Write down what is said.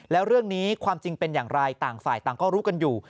แล้วเรื่องนี้ความจริงเป็นอย่างไรต่างฝ่ายต่างก็รู้กันอยู่